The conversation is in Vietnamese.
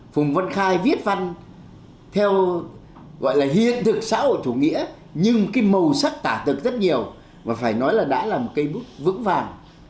phùng văn khai viết văn theo gọi là hiện thực xã hội chủ nghĩa nhưng cái màu sắc tả thực rất nhiều và phải nói là đã là một cây bút vững vàng